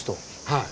はい。